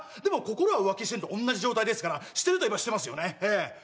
でも心は浮気してると同じ状態ですからしてるといえばしてますよねええ